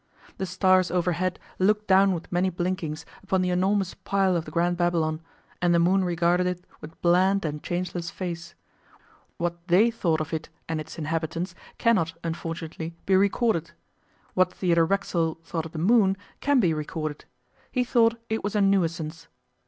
The stars overhead looked down with many blinkings upon the enormous pile of the Grand Babylon, and the moon regarded it with bland and changeless face; what they thought of it and its inhabitants cannot, unfortunately, be recorded. What Theodore Racksole thought of the moon can be recorded: he thought it was a nuisance.